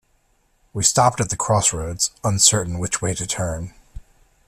We stopped at the crossroads, uncertain which way to turn